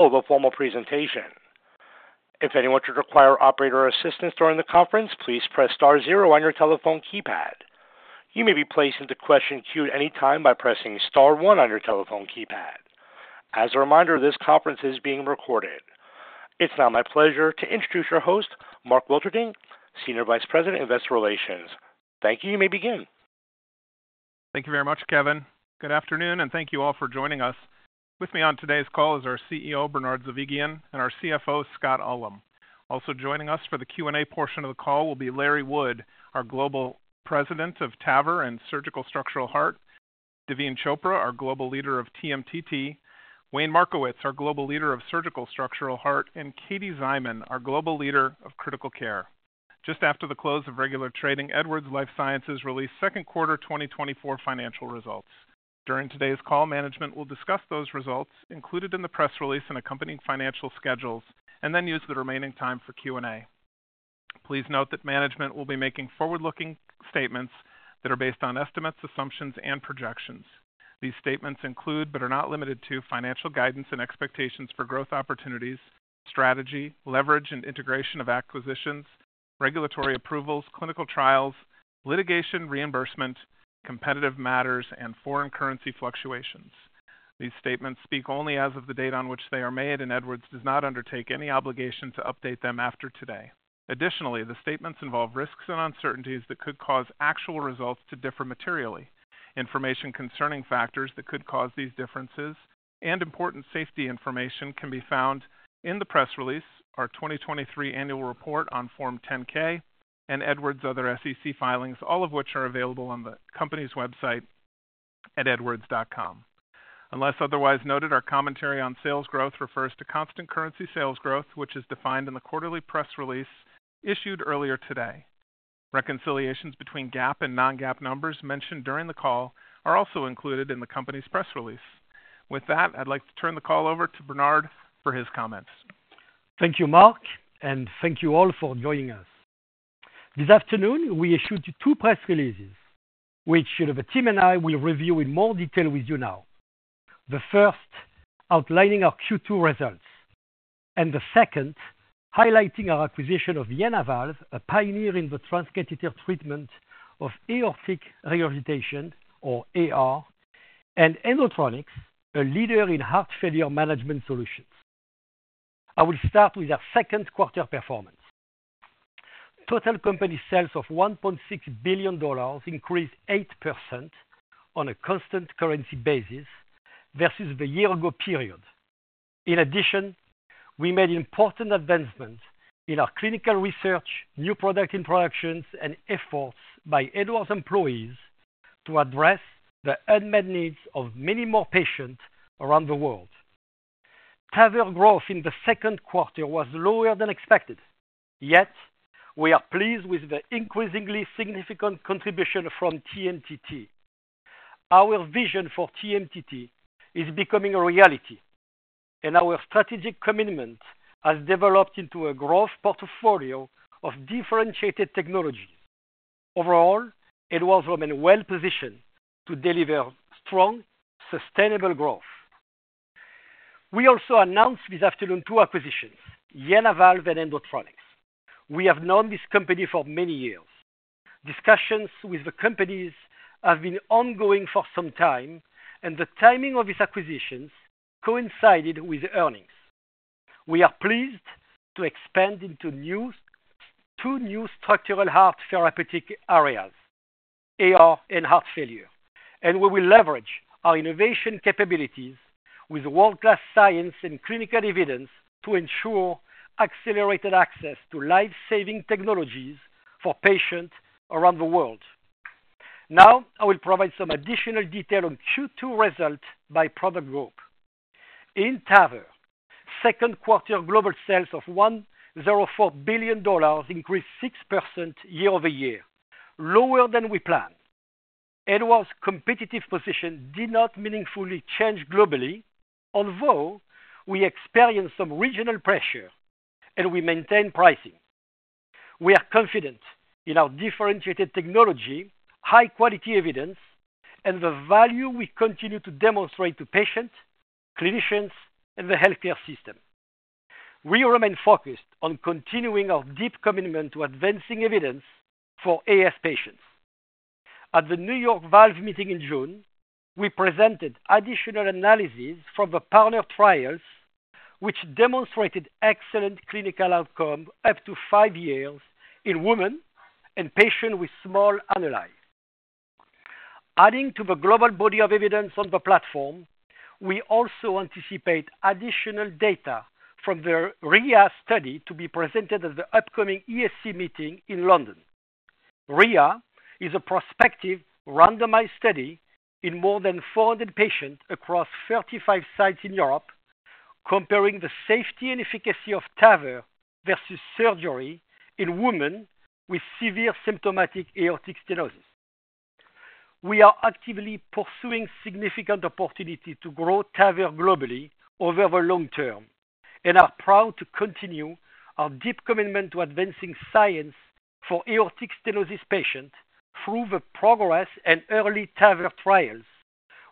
A formal presentation. If anyone should require operator assistance during the conference, please press star zero on your telephone keypad. You may be placed into question queue at any time by pressing star one on your telephone keypad. As a reminder, this conference is being recorded. It's now my pleasure to introduce our host, Mark Wilterding, Senior Vice President, Investor Relations. Thank you. You may begin. Thank you very much, Kevin. Good afternoon, and thank you all for joining us. With me on today's call is our CEO, Bernard Zovighian, and our CFO, Scott Ullem. Also joining us for the Q&A portion of the call will be Larry Wood, our Global President of TAVR and Surgical Structural Heart, Daveen Chopra, our Global Leader of TMTT, Wayne Markowitz, our Global Leader of Surgical Structural Heart, and Katie Szyman, our Global Leader of Critical Care. Just after the close of regular trading, Edwards Lifesciences released Second Quarter 2024 financial results. During today's call, management will discuss those results included in the press release and accompanying financial schedules, and then use the remaining time for Q&A. Please note that management will be making forward-looking statements that are based on estimates, assumptions, and projections. These statements include, but are not limited to, financial guidance and expectations for growth opportunities, strategy, leverage and integration of acquisitions, regulatory approvals, clinical trials, litigation, reimbursement, competitive matters, and foreign currency fluctuations. These statements speak only as of the date on which they are made, and Edwards does not undertake any obligation to update them after today. Additionally, the statements involve risks and uncertainties that could cause actual results to differ materially. Information concerning factors that could cause these differences and important safety information can be found in the press release, our 2023 annual report on Form 10-K, and Edwards's other SEC filings, all of which are available on the company's website at edwards.com. Unless otherwise noted, our commentary on sales growth refers to constant currency sales growth, which is defined in the quarterly press release issued earlier today. Reconciliations between GAAP and non-GAAP numbers mentioned during the call are also included in the company's press release. With that, I'd like to turn the call over to Bernard for his comments. Thank you, Mark, and thank you all for joining us. This afternoon, we issued two press releases, which the team and I will review in more detail with you now. The first, outlining our Q2 results, and the second, highlighting our acquisition of JenaValve, a pioneer in the transcatheter treatment of aortic regurgitation, or AR, and Endotronix, a leader in heart failure management solutions. I will start with our second quarter performance. Total company sales of $1.6 billion increased 8% on a constant currency basis versus the year ago period. In addition, we made important advancements in our clinical research, new product introductions, and efforts by Edwards employees to address the unmet needs of many more patients around the world. TAVR growth in the second quarter was lower than expected, yet we are pleased with the increasingly significant contribution from TMTT. Our vision for TMTT is becoming a reality, and our strategic commitment has developed into a growth portfolio of differentiated technology. Overall, Edwards remain well-positioned to deliver strong, sustainable growth. We also announced this afternoon two acquisitions, JenaValve and Endotronix. We have known this company for many years. Discussions with the companies have been ongoing for some time, and the timing of these acquisitions coincided with earnings. We are pleased to expand into new, two new structural therapeutic areas, AR and heart failure. We will leverage our innovation capabilities with world-class science and clinical evidence to ensure accelerated access to life-saving technologies for patients around the world. Now, I will provide some additional detail on Q2 results by product group. In TAVR, second quarter global sales of $1.04 billion increased 6% year-over-year, lower than we planned. Edwards' competitive position did not meaningfully change globally, although we experienced some regional pressure and we maintained pricing. We are confident in our differentiated technology, high-quality evidence, and the value we continue to demonstrate to patients, clinicians, and the healthcare system. We remain focused on continuing our deep commitment to advancing evidence for AS patients. At the New York Valves Meeting in June, we presented additional analysis from the PARTNER trials, which demonstrated excellent clinical outcome up to five years in women and patients with small annuli. Adding to the global body of evidence on the platform, we also anticipate additional data from the RHEIA study to be presented at the upcoming ESC meeting in London. RHEIA is a prospective randomized study in more than 400 patients across 35 sites in Europe, comparing the safety and efficacy of TAVR versus surgery in women with severe symptomatic aortic stenosis. We are actively pursuing significant opportunity to grow TAVR globally over the long term, and are proud to continue our deep commitment to advancing science for aortic stenosis patients to prove the progress and EARLY TAVR trials,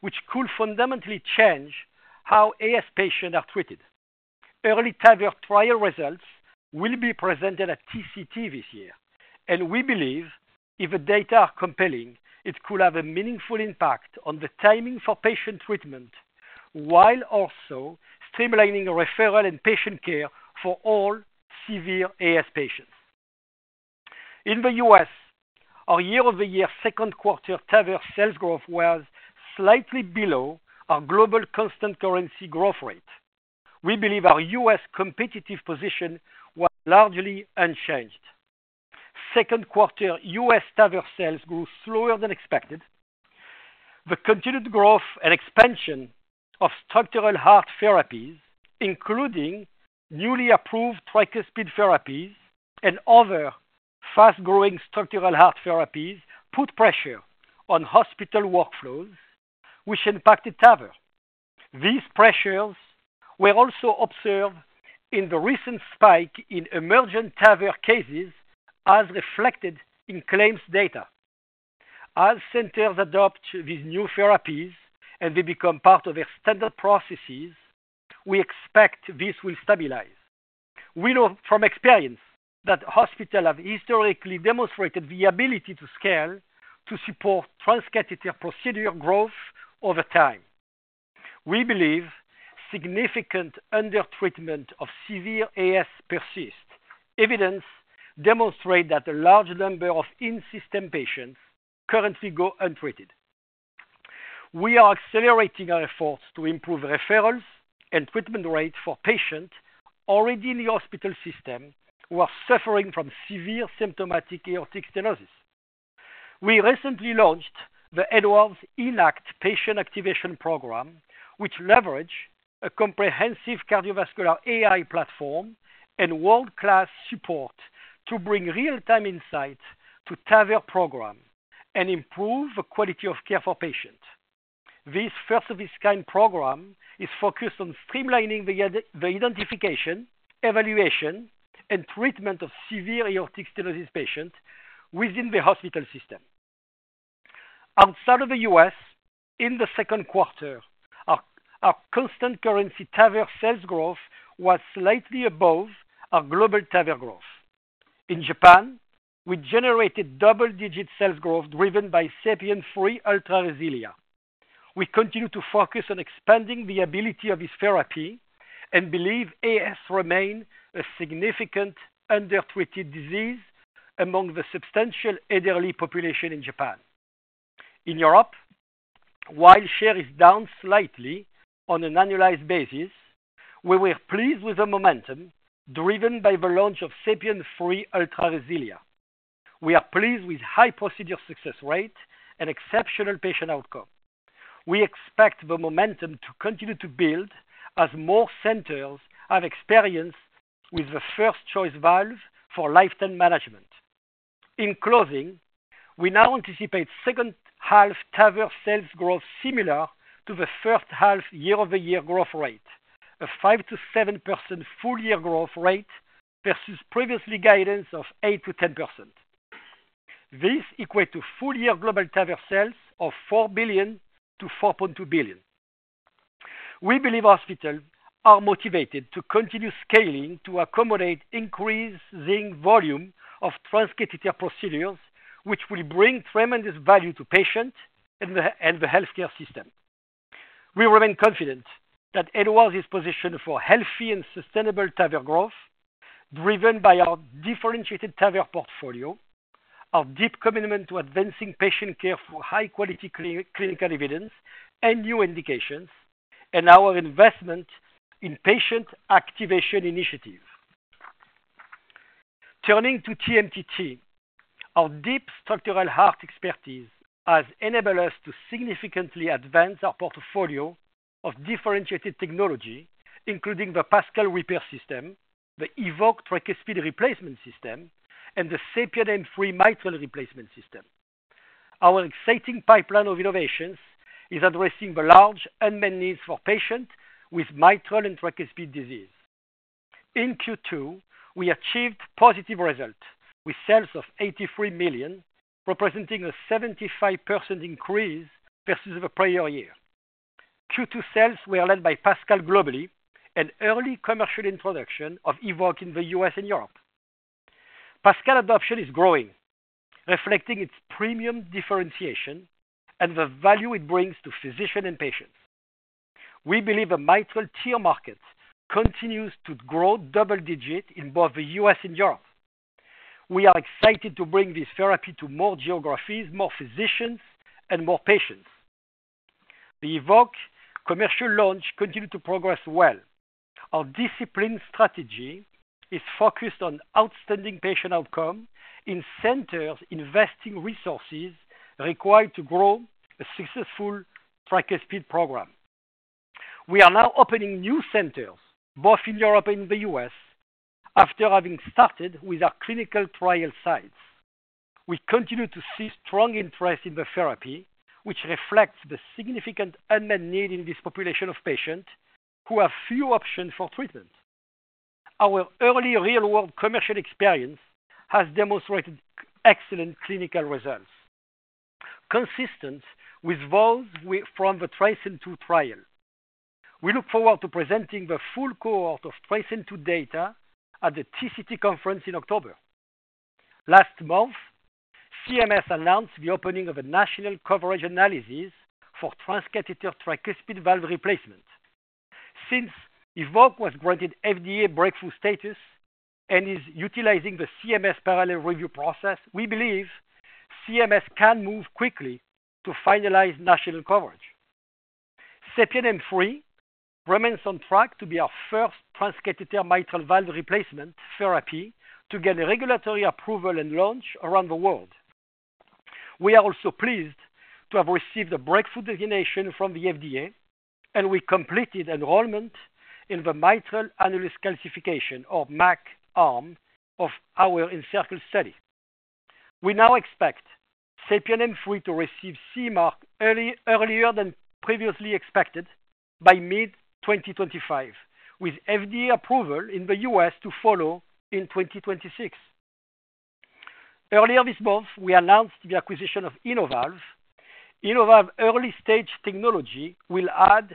which could fundamentally change how AS patients are treated. EARLY TAVR trial results will be presented at TCT this year, and we believe if the data are compelling, it could have a meaningful impact on the timing for patient treatment, while also streamlining referral and patient care for all severe AS patients. In the US, our year-over-year second quarter TAVR sales growth was slightly below our global constant currency growth rate. We believe our US competitive position was largely unchanged. Second quarter, US TAVR sales grew slower than expected. The continued growth and expansion of structural heart therapies, including newly approved tricuspid therapies and other fast-growing structural heart therapies, put pressure on hospital workflows, which impacted TAVR. These pressures were also observed in the recent spike in emergent TAVR cases, as reflected in claims data. As centers adopt these new therapies and they become part of their standard processes, we expect this will stabilize. We know from experience that hospitals have historically demonstrated the ability to scale to support transcatheter procedure growth over time. We believe significant undertreatment of severe AS persist. Evidence demonstrate that a large number of in-system patients currently go untreated. We are accelerating our efforts to improve referrals and treatment rates for patients already in the hospital system who are suffering from severe symptomatic aortic stenosis. We recently launched the Edwards ENACT Patient Activation Program, which leverage a comprehensive cardiovascular AI platform and world-class support to bring real-time insight to TAVR program and improve the quality of care for patients. This first-of-its-kind program is focused on streamlining the identification, evaluation, and treatment of severe aortic stenosis patients within the hospital system. Outside of the U.S., in the second quarter, our constant currency TAVR sales growth was slightly above our global TAVR growth. In Japan, we generated double-digit sales growth driven by SAPIEN 3 Ultra RESILIA. We continue to focus on expanding the ability of this therapy and believe AS remain a significant undertreated disease among the substantial elderly population in Japan. In Europe, while share is down slightly on an annualized basis, we were pleased with the momentum driven by the launch of SAPIEN 3 Ultra RESILIA. We are pleased with high procedure success rate and exceptional patient outcome. We expect the momentum to continue to build as more centers have experience with the first-choice valve for lifetime management. In closing, we now anticipate second-half TAVR sales growth similar to the first-half year-over-year growth rate, a 5%-7% full-year growth rate versus previous guidance of 8%-10%. This equates to full-year global TAVR sales of $4 billion-$4.2 billion. We believe hospitals are motivated to continue scaling to accommodate increasing volume of transcatheter procedures, which will bring tremendous value to patients and the healthcare system. We remain confident that Edwards is positioned for healthy and sustainable TAVR growth, driven by our differentiated TAVR portfolio, our deep commitment to advancing patient care through high-quality clinical evidence and new indications, and our investment in patient activation initiatives. Turning to TMTT, our deep structural heart expertise has enabled us to significantly advance our portfolio of differentiated technology, including the PASCAL repair system, the EVOQUE tricuspid replacement system, and the SAPIEN M3 mitral replacement system. Our exciting pipeline of innovations is addressing the large unmet needs for patients with mitral and tricuspid disease. In Q2, we achieved positive results, with sales of $83 million, representing a 75% increase versus the prior year. Q2 sales were led by PASCAL globally, an early commercial introduction of EVOQUE in the US and Europe. PASCAL adoption is growing, reflecting its premium differentiation and the value it brings to physicians and patients. We believe the mitral TEER market continues to grow double-digit in both the US and Europe. We are excited to bring this therapy to more geographies, more physicians, and more patients. The EVOQUE commercial launch continued to progress well. Our disciplined strategy is focused on outstanding patient outcome in centers investing resources required to grow a successful tricuspid program. We are now opening new centers, both in Europe and the US, after having started with our clinical trial sites. We continue to see strong interest in the therapy, which reflects the significant unmet need in this population of patients who have few options for treatment. Our early real-world commercial experience has demonstrated excellent clinical results, consistent with those we, from the TRISCEND II trial. We look forward to presenting the full cohort of TRISCEND II data at the TCT conference in October. Last month, CMS announced the opening of a national coverage analysis for transcatheter tricuspid valve replacement. Since EVOQUE was granted FDA breakthrough status and is utilizing the CMS parallel review process, we believe CMS can move quickly to finalize national coverage. SAPIEN M3 remains on track to be our first transcatheter mitral valve replacement therapy to get a regulatory approval and launch around the world. We are also pleased to have received a breakthrough designation from the FDA, and we completed enrollment in the Mitral Annulus Calcification, or MAC arm, of our ENCIRCLE study. We now expect SAPIEN M3 to receive CE mark earlier than previously expected by mid-2025, with FDA approval in the US to follow in 2026. Earlier this month, we announced the acquisition of JenaValve. JenaValve early-stage technology will add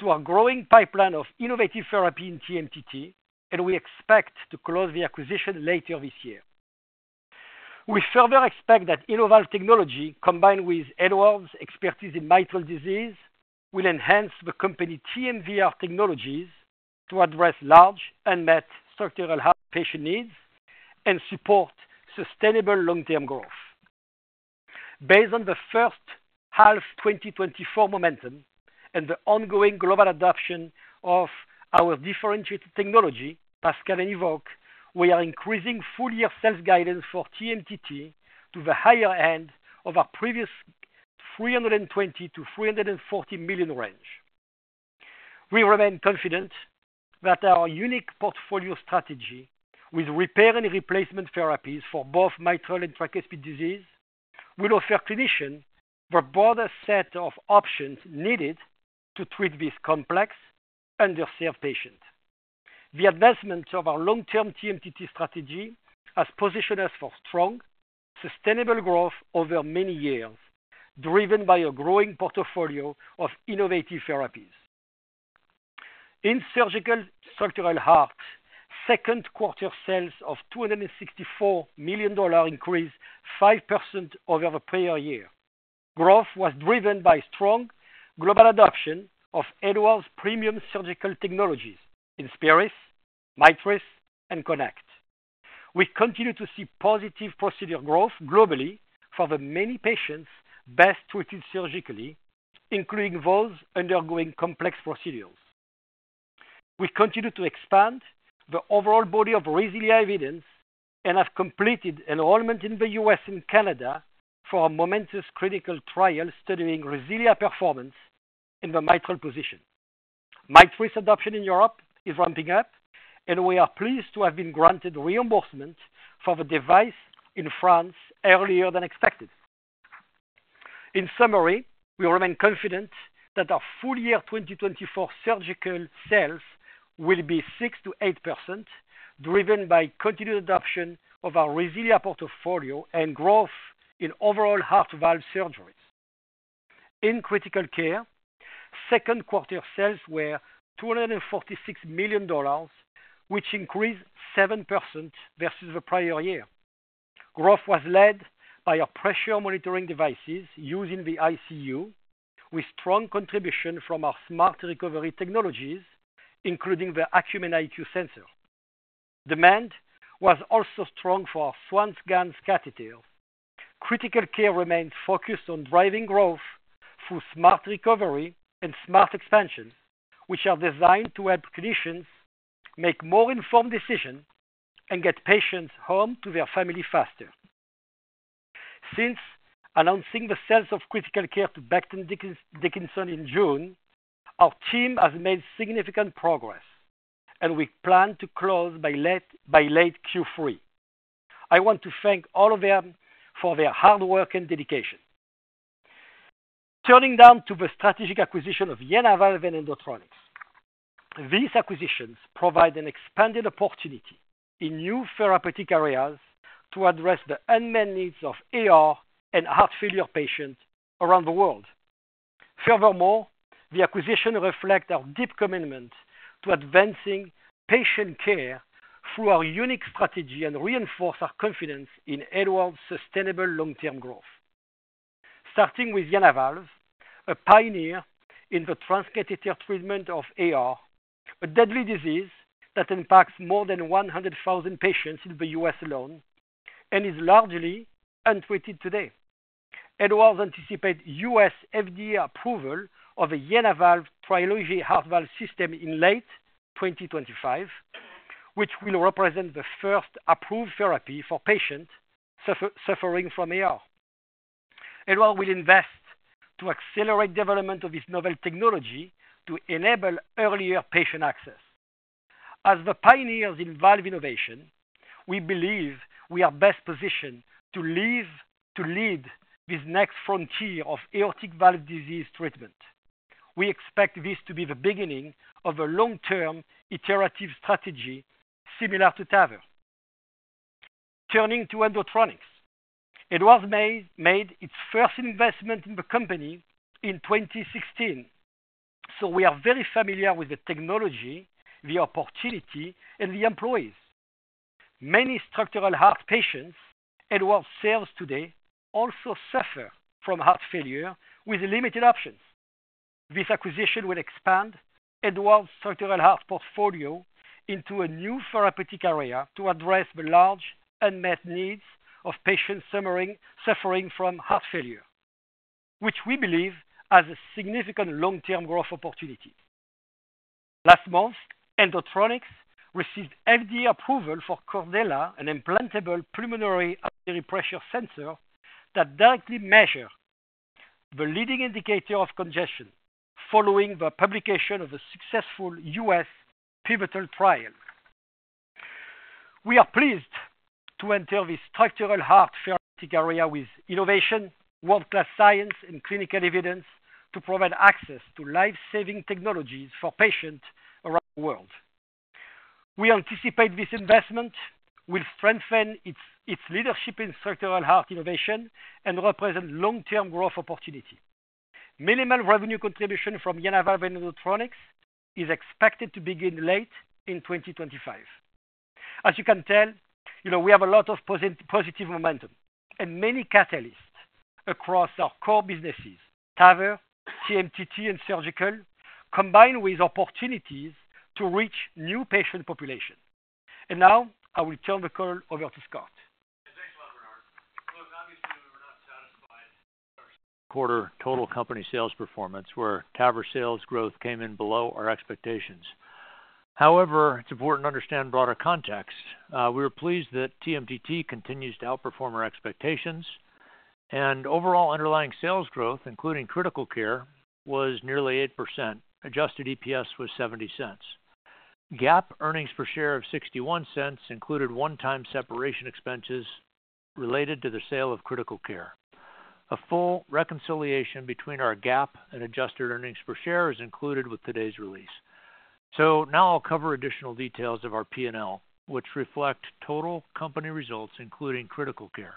to our growing pipeline of innovative therapy in TMTT, and we expect to close the acquisition later this year. We further expect that JenaValve technology, combined with Edwards' expertise in mitral disease, will enhance the company's TMVR technologies to address large unmet structural heart patient needs and support sustainable long-term growth. Based on the first half 2024 momentum and the ongoing global adoption of our differentiated technology, PASCAL and EVOQUE, we are increasing full-year sales guidance for TMTT to the higher end of our previous $320 million-$340 million range. We remain confident that our unique portfolio strategy with repair and replacement therapies for both mitral and tricuspid disease, will offer clinicians the broader set of options needed to treat these complex, underserved patients. The advancement of our long-term TMTT strategy has positioned us for strong, sustainable growth over many years, driven by a growing portfolio of innovative therapies. In Surgical Structural Heart, second quarter sales of $264 million increased 5% over the prior year. Growth was driven by strong global adoption of Edwards premium surgical technologies, INSPIRIS, MITRIS, and KONECT. We continue to see positive procedure growth globally for the many patients best treated surgically, including those undergoing complex procedures. We continue to expand the overall body of RESILIA evidence and have completed enrollment in the US and Canada for the MOMENTIS clinical trial studying RESILIA performance in the mitral position. MITRIS adoption in Europe is ramping up, and we are pleased to have been granted reimbursement for the device in France earlier than expected. In summary, we remain confident that our full year 2024 surgical sales will be 6%-8%, driven by continued adoption of our RESILIA portfolio and growth in overall heart valve surgeries. In Critical Care, second quarter sales were $246 million, which increased 7% versus the prior year. Growth was led by our pressure monitoring devices used in the ICU, with strong contribution from our Smart Recovery technologies, including the Acumen IQ sensor. Demand was also strong for our Swan-Ganz catheter. Critical Care remains focused on driving growth through Smart Recovery and Smart Expansion, which are designed to help clinicians make more informed decisions and get patients home to their family faster. Since announcing the sale of Critical Care to Becton Dickinson in June, our team has made significant progress, and we plan to close by late Q3. I want to thank all of them for their hard work and dedication. Turning now to the strategic acquisition of JenaValve and Endotronix. These acquisitions provide an expanded opportunity in new therapeutic areas to address the unmet needs of AR and heart failure patients around the world. Furthermore, the acquisition reflects our deep commitment to advancing patient care through our unique strategy and reinforce our confidence in Edwards' sustainable long-term growth. Starting with JenaValve, a pioneer in the transcatheter treatment of AR, a deadly disease that impacts more than 100,000 patients in the U.S. alone and is largely untreated today. Edwards anticipate U.S. FDA approval of the JenaValve Trilogy Heart Valve System in late 2025, which will represent the first approved therapy for patients suffering from AR. Edwards will invest to accelerate development of this novel technology to enable earlier patient access. As the pioneers in valve innovation, we believe we are best positioned to lead this next frontier of aortic valve disease treatment. We expect this to be the beginning of a long-term iterative strategy, similar to TAVR. Turning to Endotronix. Edwards made its first investment in the company in 2016, so we are very familiar with the technology, the opportunity, and the employees. Many structural heart patients Edwards serves today also suffer from heart failure with limited options. This acquisition will expand Edwards' structural heart portfolio into a new therapeutic area to address the large unmet needs of patients suffering from heart failure, which we believe has a significant long-term growth opportunity. Last month, Endotronix received FDA approval for Cordella, an implantable pulmonary artery pressure sensor that directly measures the leading indicator of congestion, following the publication of a successful U.S. pivotal trial. We are pleased to enter this structural heart therapeutic area with innovation, world-class science, and clinical evidence to provide access to life-saving technologies for patients around the world. We anticipate this investment will strengthen its leadership in structural heart innovation and represent long-term growth opportunity. Minimal revenue contribution from JenaValve and Endotronix is expected to begin late in 2025. As you can tell, we have a lot of positive momentum and many catalysts across our core businesses, TAVR, TMTT, and Surgical, combined with opportunities to reach new patient population. Now I will turn the call over to Scott. Thanks a lot, Bernard. Look, obviously, we were not satisfied with our second quarter total company sales performance, where TAVR sales growth came in below our expectations. However, it's important to understand broader context. We were pleased that TMTT continues to outperform our expectations, and overall underlying sales growth, including Critical Care, was nearly 8%. Adjusted EPS was $0.70. GAAP earnings per share of $0.61 included one-time separation expenses related to the sale of Critical Care. A full reconciliation between our GAAP and adjusted earnings per share is included with today's release. So now I'll cover additional details of our P&L, which reflect total company results, including Critical Care.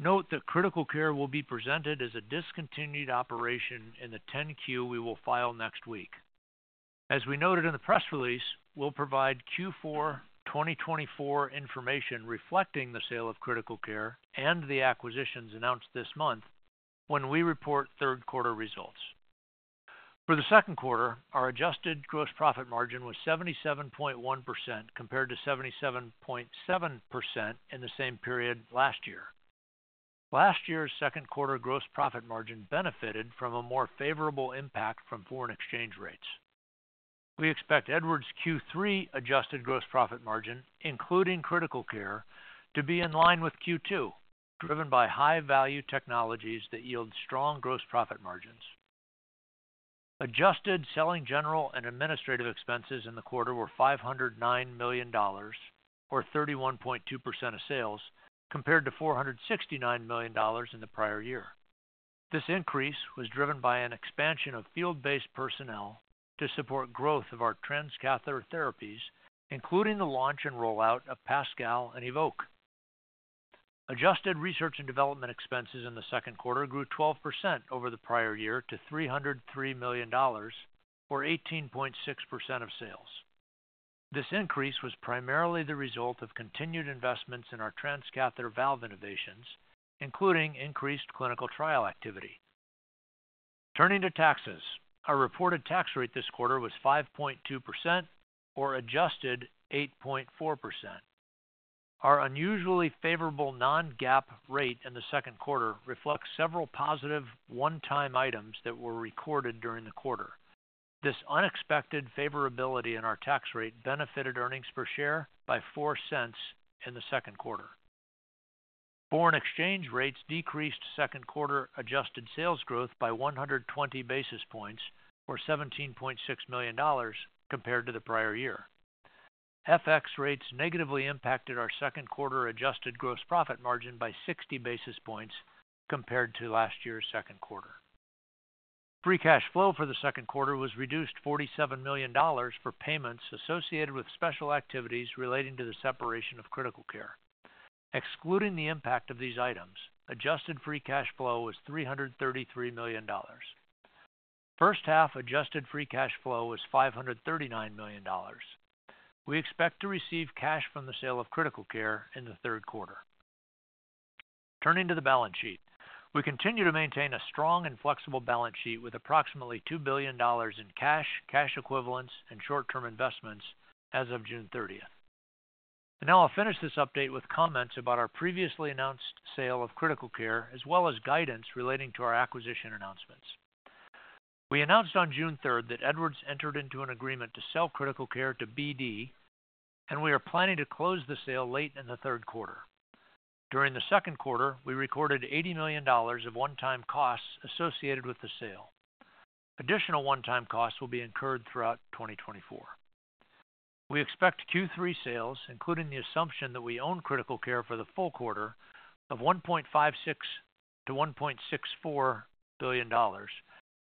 Note that Critical Care will be presented as a discontinued operation in the 10-Q we will file next week. As we noted in the press release, we'll provide Q4 2024 information reflecting the sale of Critical Care and the acquisitions announced this month when we report third quarter results. For the second quarter, our adjusted gross profit margin was 77.1%, compared to 77.7% in the same period last year. Last year's second quarter gross profit margin benefited from a more favorable impact from foreign exchange rates. We expect Edwards' Q3 adjusted gross profit margin, including Critical Care, to be in line with Q2, driven by high-value technologies that yield strong gross profit margins. Adjusted selling general and administrative expenses in the quarter were $509 million, or 31.2% of sales, compared to $469 million in the prior year. This increase was driven by an expansion of field-based personnel to support growth of our transcatheter therapies, including the launch and rollout of PASCAL and EVOQUE. Adjusted research and development expenses in the second quarter grew 12% over the prior year to $303 million, or 18.6% of sales. This increase was primarily the result of continued investments in our transcatheter valve innovations, including increased clinical trial activity. Turning to taxes. Our reported tax rate this quarter was 5.2% or adjusted 8.4%. Our unusually favorable non-GAAP rate in the second quarter reflects several positive one-time items that were recorded during the quarter. This unexpected favorability in our tax rate benefited earnings per share by $0.04 in the second quarter. Foreign exchange rates decreased second quarter adjusted sales growth by 120 basis points or $17.6 million compared to the prior year. FX rates negatively impacted our second quarter adjusted gross profit margin by 60 basis points compared to last year's second quarter. Free cash flow for the second quarter was reduced $47 million for payments associated with special activities relating to the separation of Critical Care. Excluding the impact of these items, adjusted free cash flow was $333 million. First half adjusted free cash flow was $539 million. We expect to receive cash from the sale of Critical Care in the third quarter. Turning to the balance sheet. We continue to maintain a strong and flexible balance sheet with approximately $2 billion in cash, cash equivalents, and short-term investments as of June 30. Now I'll finish this update with comments about our previously announced sale of Critical Care, as well as guidance relating to our acquisition announcements. We announced on June 3 that Edwards entered into an agreement to sell Critical Care to BD, and we are planning to close the sale late in the third quarter. During the second quarter, we recorded $80 million of one-time costs associated with the sale. Additional one-time costs will be incurred throughout 2024. We expect Q3 sales, including the assumption that we own Critical Care for the full quarter, of $1.56 billion-$1.64 billion,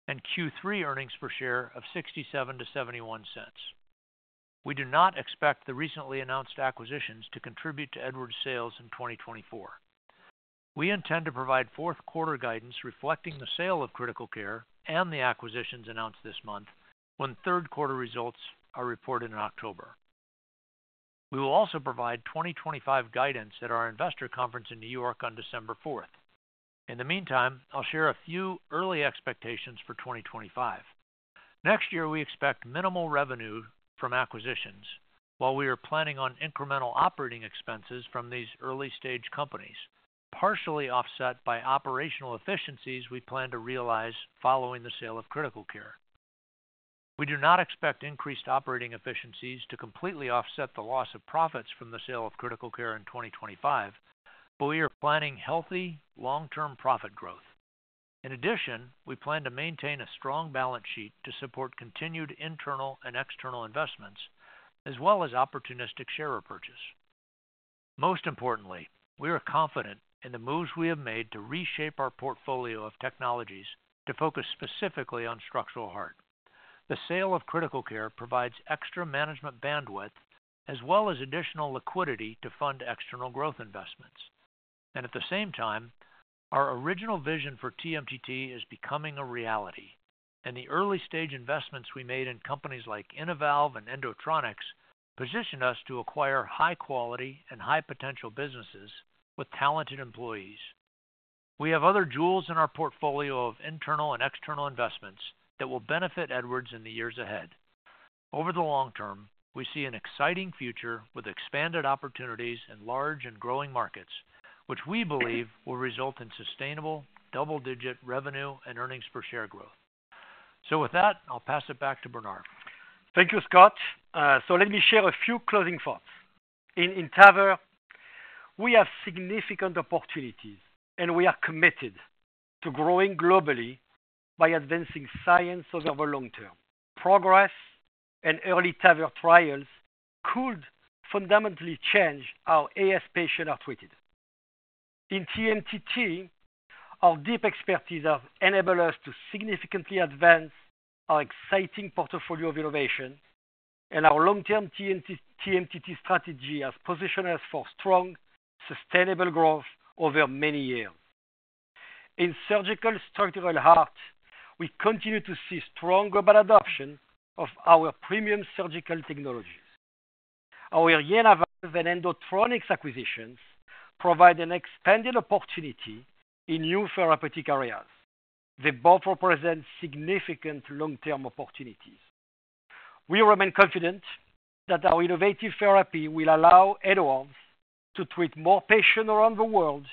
and Q3 earnings per share of $0.67-$0.71. We do not expect the recently announced acquisitions to contribute to Edwards sales in 2024. We intend to provide fourth quarter guidance, reflecting the sale of Critical Care and the acquisitions announced this month, when third quarter results are reported in October. We will also provide 2025 guidance at our investor conference in New York on December 4. In the meantime, I'll share a few early expectations for 2025. Next year, we expect minimal revenue from acquisitions, while we are planning on incremental operating expenses from these early-stage companies, partially offset by operational efficiencies we plan to realize following the sale of Critical Care. We do not expect increased operating efficiencies to completely offset the loss of profits from the sale of Critical Care in 2025, but we are planning healthy, long-term profit growth. In addition, we plan to maintain a strong balance sheet to support continued internal and external investments, as well as opportunistic share repurchase. Most importantly, we are confident in the moves we have made to reshape our portfolio of technologies to focus specifically on structural heart. The sale of Critical Care provides extra management bandwidth as well as additional liquidity to fund external growth investments. At the same time, our original vision for TMTT is becoming a reality, and the early-stage investments we made in companies like JenaValve and Endotronix position us to acquire high-quality and high-potential businesses with talented employees. We have other jewels in our portfolio of internal and external investments that will benefit Edwards in the years ahead. Over the long term, we see an exciting future with expanded opportunities in large and growing markets, which we believe will result in sustainable double-digit revenue and earnings per share growth. With that, I'll pass it back to Bernard. Thank you, Scott. So let me share a few closing thoughts. In TAVR, we have significant opportunities, and we are committed to growing globally by advancing science over long term. Progress and EARLY TAVR trials could fundamentally change how AS patients are treated. In TMTT, our deep expertise have enabled us to significantly advance our exciting portfolio of innovation, and our long-term TMTT strategy has positioned us for strong, sustainable growth over many years. In Surgical Structural Heart, we continue to see strong global adoption of our premium surgical technologies. Our JenaValve and Endotronix acquisitions provide an expanded opportunity in new therapeutic areas. They both represent significant long-term opportunities. We remain confident that our innovative therapy will allow Edwards to treat more patients around the world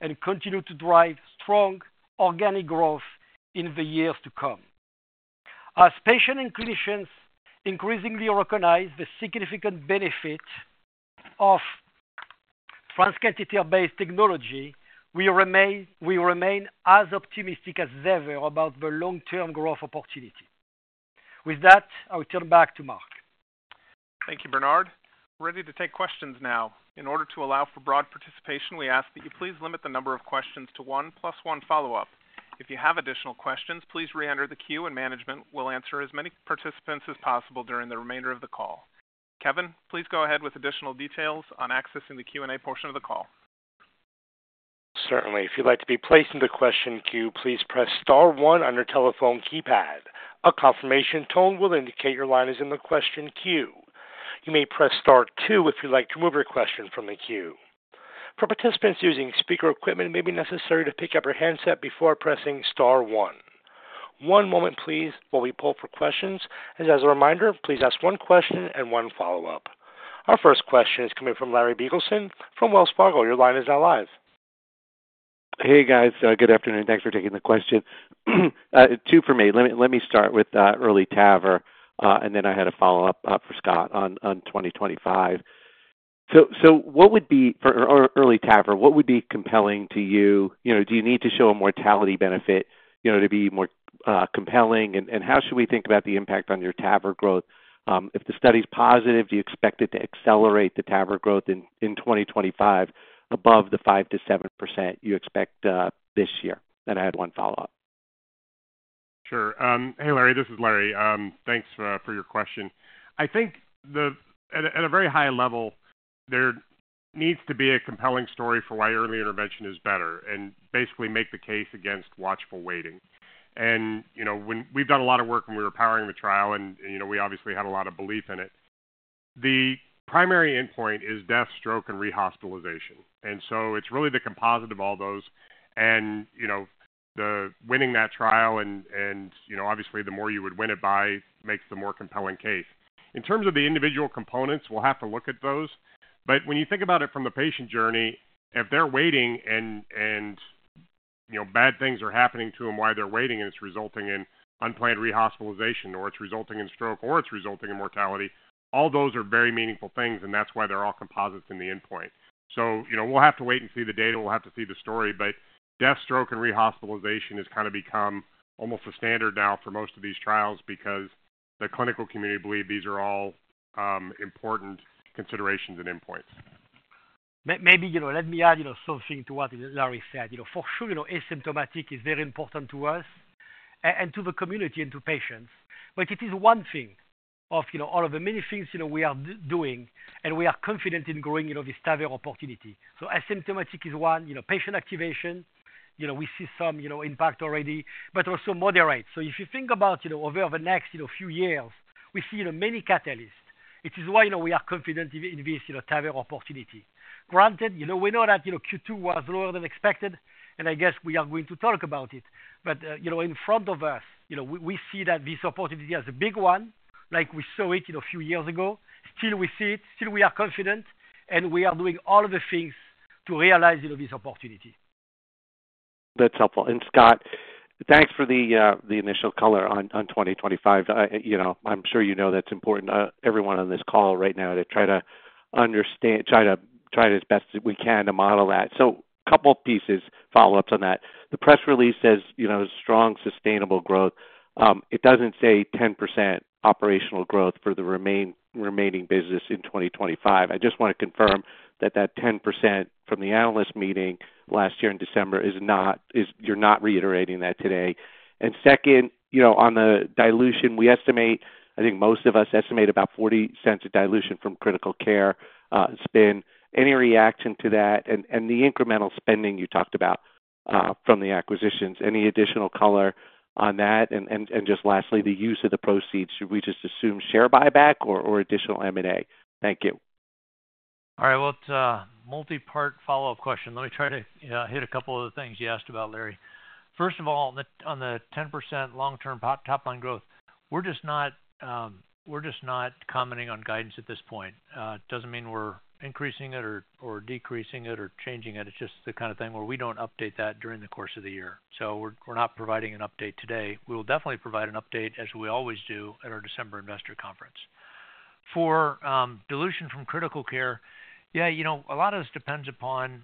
and continue to drive strong organic growth in the years to come. As patients and clinicians increasingly recognize the significant benefit of transcatheter-based technology, we remain as optimistic as ever about the long-term growth opportunity. With that, I'll turn back to Mark. Thank you, Bernard. We're ready to take questions now. In order to allow for broad participation, we ask that you please limit the number of questions to one plus one follow-up. If you have additional questions, please reenter the queue and management will answer as many participants as possible during the remainder of the call. Kevin, please go ahead with additional details on accessing the Q&A portion of the call. Certainly. If you'd like to be placed in the question queue, please press star one on your telephone keypad. A confirmation tone will indicate your line is in the question queue. You may press star two if you'd like to remove your question from the queue. For participants using speaker equipment, it may be necessary to pick up your handset before pressing star one. One moment, please, while we pull for questions, and as a reminder, please ask one question and one follow-up. Our first question is coming from Larry Biegelsen from Wells Fargo. Your line is now live. Hey, guys. Good afternoon. Thanks for taking the question. Two for me. Let me start with EARLY TAVR, and then I had a follow-up for Scott on 2025. So what would be, for EARLY TAVR, what would be compelling to you? You know, do you need to show a mortality benefit, you know, to be more compelling? How should we think about the impact on your TAVR growth? If the study is positive, do you expect it to accelerate the TAVR growth in 2025 above the 5%-7% you expect this year? Then I had one follow-up. Sure. Hey, Larry, this is Larry. Thanks for your question. I think at a very high level, there needs to be a compelling story for why early intervention is better and basically make the case against watchful waiting. You know, when we've done a lot of work when we were powering the trial, you know, we obviously had a lot of belief in it. The primary endpoint is death, stroke, and rehospitalization, and so it's really the composite of all those. You know, the winning that trial, you know, obviously, the more you would win it by makes the more compelling case. In terms of the individual components, we'll have to look at those. But when you think about it from the patient journey, if they're waiting and, you know, bad things are happening to them while they're waiting, and it's resulting in unplanned rehospitalization, or it's resulting in stroke, or it's resulting in mortality, all those are very meaningful things, and that's why they're all composites in the endpoint. So, you know, we'll have to wait and see the data, we'll have to see the story. But death, stroke, and rehospitalization has kind of become almost a standard now for most of these trials because the clinical community believe these are all, important considerations and endpoints. Maybe, you know, let me add, you know, something to what Larry said. You know, for sure, you know, asymptomatic is very important to us and to the community and to patients. But it is one thing of, you know, all of the many things, you know, we are doing, and we are confident in growing, you know, this TAVR opportunity. So asymptomatic is one, you know, patient activation. You know, we see some, you know, impact already, but also moderate. So if you think about, you know, over the next, you know, few years, we see the many catalysts. It is why, you know, we are confident in this, you know, TAVR opportunity. Granted, you know, we know that, you know, Q2 was lower than expected, and I guess we are going to talk about it. But, you know, in front of us, you know, we see that this opportunity as a big one, like we saw it, you know, a few years ago. Still, we see it, still we are confident, and we are doing all of the things to realize, you know, this opportunity. That's helpful. Scott, thanks for the initial color on 2025. You know, I'm sure you know that's important to everyone on this call right now to try to understand, try to model that as best as we can. So couple pieces, follow-ups on that. The press release says, you know, strong, sustainable growth. It doesn't say 10% operational growth for the remaining business in 2025. I just want to confirm that that 10% from the analyst meeting last year in December is not, you're not reiterating that today. Second, you know, on the dilution, we estimate, I think most of us estimate about $0.40 of dilution from Critical Care spin. Any reaction to that? And the incremental spending you talked about from the acquisitions, any additional color on that? Just lastly, the use of the proceeds. Should we just assume share buyback or additional M&A? Thank you. All right. Well, it's a multi-part follow-up question. Let me try to hit a couple of the things you asked about, Larry. First of all, on the 10% long-term top-line growth, we're just not commenting on guidance at this point. It doesn't mean we're increasing it or decreasing it or changing it. It's just the kind of thing where we don't update that during the course of the year. So we're not providing an update today. We will definitely provide an update, as we always do, at our December investor conference. For dilution from Critical Care, yeah, you know, a lot of this depends upon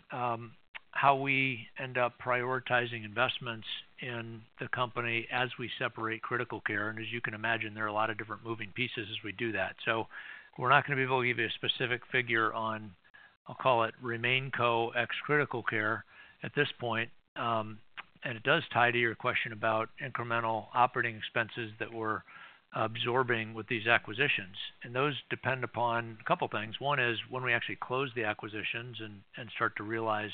how we end up prioritizing investments in the company as we separate Critical Care. As you can imagine, there are a lot of different moving pieces as we do that. So we're not going to be able to give you a specific figure on, I'll call it RemainCo ex Critical Care at this point. And it does tie to your question about incremental operating expenses that we're absorbing with these acquisitions, and those depend upon a couple things. One is when we actually close the acquisitions and start to realize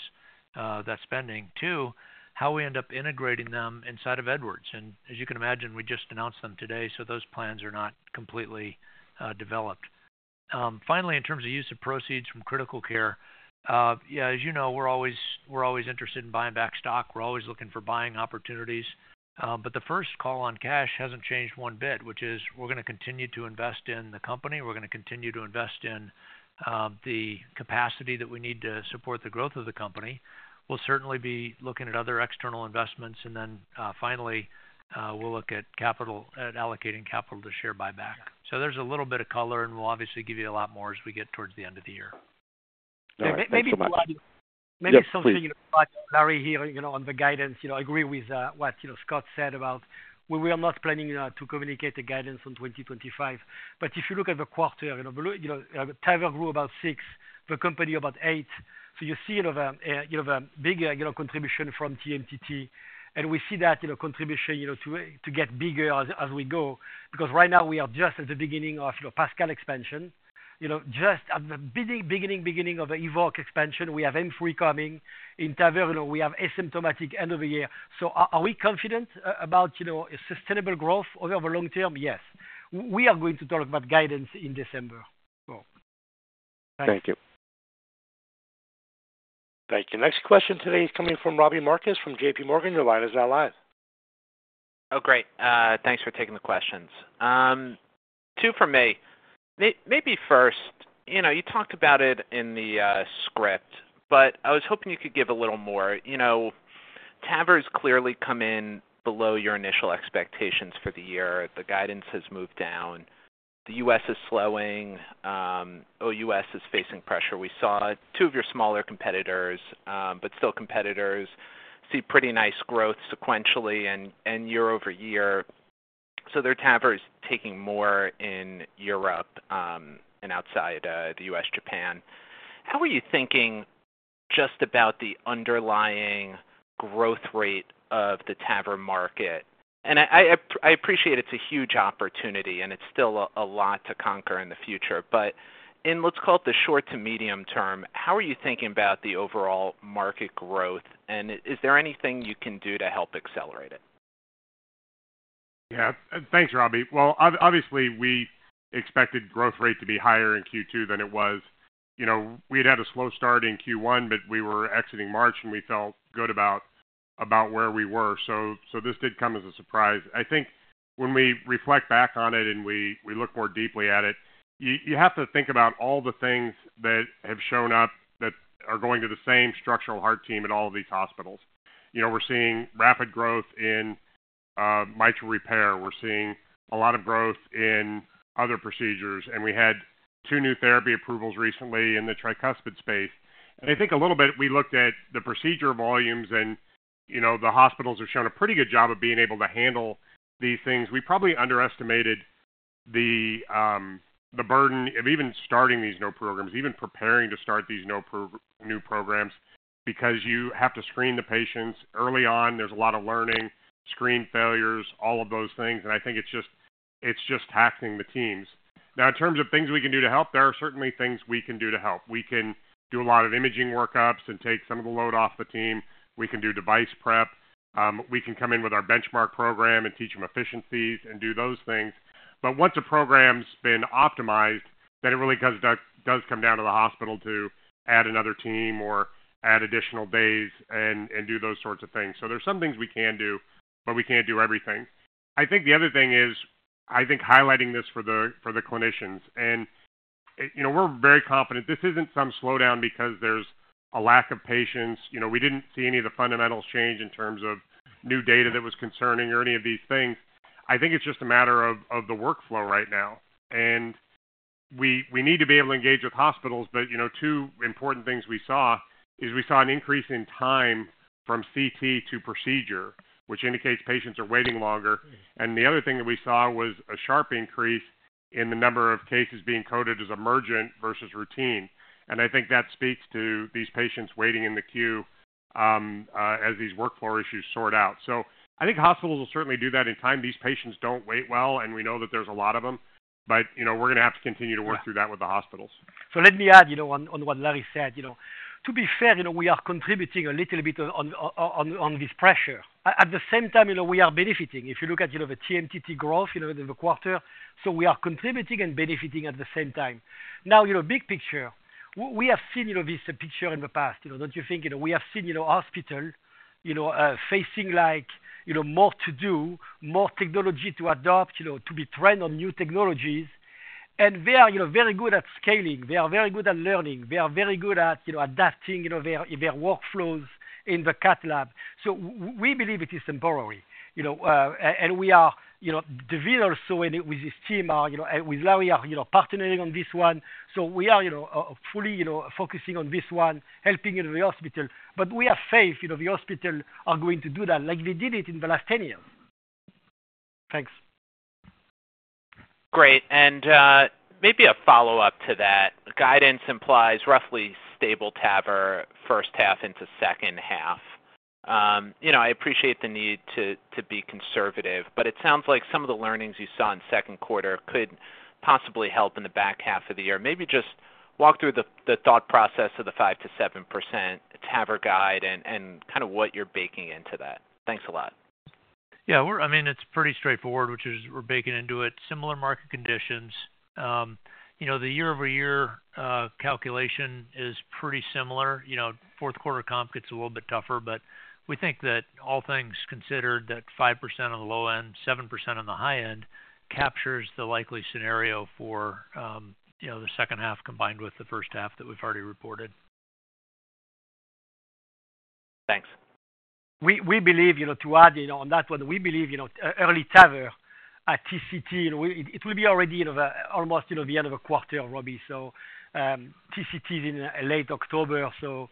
that spending. Two, how we end up integrating them inside of Edwards. As you can imagine, we just announced them today, so those plans are not completely developed. Finally, in terms of use of proceeds from Critical Care, yeah, as you know, we're always interested in buying back stock. We're always looking for buying opportunities, but the first call on cash hasn't changed one bit, which is we're going to continue to invest in the company. We're going to continue to invest in the capacity that we need to support the growth of the company. We'll certainly be looking at other external investments, and then, finally, we'll look at allocating capital to share buyback. So there's a little bit of color, and we'll obviously give you a lot more as we get towards the end of the year. All right. Thanks so much. Maybe to add. Yeah, please. Maybe something, you know, Larry, here, you know, on the guidance. You know, I agree with what, you know, Scott said about we are not planning to communicate the guidance on 2025. But if you look at the quarter, you know, below, you know, TAVR grew about 6, the company about 8. So you see, you know, the bigger, you know, contribution from TMTT, and we see that, you know, contribution to get bigger as we go, because right now we are just at the beginning of, you know, PASCAL expansion. You know, just at the beginning of the EVOQUE expansion, we have M3 coming. In TAVR, you know, we have asymptomatic end of the year. So are we confident about, you know, a sustainable growth over the long term? Yes. We are going to talk about guidance in December. Thank you. Thank you. Next question today is coming from Robbie Marcus, from JPMorgan. Your line is now live. Oh, great. Thanks for taking the questions. Two for me. Maybe first, you know, you talked about it in the script, but I was hoping you could give a little more. You know, TAVR's clearly come in below your initial expectations for the year. The guidance has moved down. The U.S. is slowing. OUS is facing pressure. We saw two of your smaller competitors, but still competitors, see pretty nice growth sequentially and year-over-year. So their TAVR is taking more in Europe and outside the US, Japan. How are you thinking just about the underlying growth rate of the TAVR market? I appreciate it's a huge opportunity, and it's still a lot to conquer in the future. But in, let's call it the short- to medium-term, how are you thinking about the overall market growth, and is there anything you can do to help accelerate it? Yeah. Thanks, Robbie. Well, obviously, we expected growth rate to be higher in Q2 than it was. You know, we'd had a slow start in Q1, but we were exiting March, and we felt good about where we were. So this did come as a surprise. I think when we reflect back on it and we look more deeply at it, you have to think about all the things that have shown up that are going to the same structural heart team at all of these hospitals. You know, we're seeing rapid growth in mitral repair. We're seeing a lot of growth in other procedures, and we had two new therapy approvals recently in the tricuspid space. I think a little bit, we looked at the procedure volumes and, you know, the hospitals have shown a pretty good job of being able to handle these things. We probably underestimated the burden of even starting these new programs, even preparing to start these new programs, because you have to screen the patients early on. There's a lot of learning, screen failures, all of those things, and I think it's just taxing the teams. Now, in terms of things we can do to help, there are certainly things we can do to help. We can do a lot of imaging workups and take some of the load off the team. We can do device prep. We can come in with our benchmark program and teach them efficiencies and do those things. But once a program's been optimized, then it really does, does, does come down to the hospital to add another team or add additional bays and do those sorts of things. So there are some things we can do, but we can't do everything. I think the other thing is, I think highlighting this for the clinicians, and, you know, we're very confident this isn't some slowdown because there's a lack of patients. You know, we didn't see any of the fundamentals change in terms of new data that was concerning or any of these things. I think it's just a matter of the workflow right now, and we need to be able to engage with hospitals. But, you know, two important things we saw is we saw an increase in time from CT to procedure, which indicates patients are waiting longer. The other thing that we saw was a sharp increase in the number of cases being coded as emergent versus routine. I think that speaks to these patients waiting in the queue, as these workflow issues sort out. I think hospitals will certainly do that in time. These patients don't wait well, and we know that there's a lot of them, but, you know, we're going to have to continue to work through that with the hospitals. So let me add, you know, on what Larry said. You know, to be fair, you know, we are contributing a little bit on this pressure. At the same time, you know, we are benefiting. If you look at, you know, the TMTT growth, you know, in the quarter, so we are contributing and benefiting at the same time. Now, you know, big picture, we have seen, you know, this picture in the past. You know, don't you think, you know, we have seen, you know, hospital, you know, facing like, you know, more to do, more technology to adopt, you know, to be trained on new technologies. And they are, you know, very good at scaling. They are very good at learning. They are very good at, you know, adapting, you know, their workflows in the cat lab. So we believe it is temporary, you know, and we are, you know, Daveen also and with his team are, you know, with Larry, are, you know, partnering on this one. So we are, you know, fully, you know, focusing on this one, helping in the hospital. But we have faith, you know, the hospital are going to do that like they did it in the last 10 years. Thanks. Great. And, maybe a follow-up to that. Guidance implies roughly stable TAVR first half into second half. You know, I appreciate the need to be conservative, but it sounds like some of the learnings you saw in second quarter could possibly help in the back half of the year. Maybe just walk through the thought process of the 5%-7% TAVR guide and kind of what you're baking into that. Thanks a lot. Yeah, we're, I mean, it's pretty straightforward, which is we're baking into it similar market conditions. You know, the year-over-year calculation is pretty similar. You know, fourth quarter comp gets a little bit tougher, but we think that all things considered, that 5% on the low end, 7% on the high end, captures the likely scenario for, you know, the second half, combined with the first half that we've already reported. Thanks. We believe, you know, to add, you know, on that one, we believe, you know, EARLY TAVR at TCT, and it will be already, you know, almost, you know, the end of a quarter, Robbie. So, TCT is in late October, so,